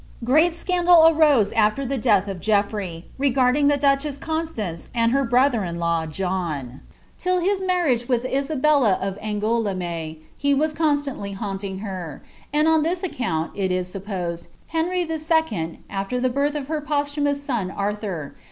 " Great scandal arose after the death of Geoffrey, regsiding the duchw Conslance and her brother in law John : till his marriage with iMbtll* of Angouleme, he wa* constantly 'haunting her;' and on this acciinUi it is supposed, Henry H.. after the binh of her |>osihuinau8 son Anhnr.